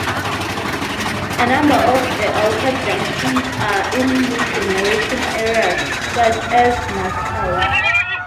A number of the altered junctions are in regeneration areas, such as Masshouse.